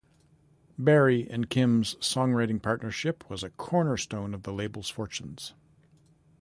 Barry and Kim's songwriting partnership was a cornerstone of the label's fortunes.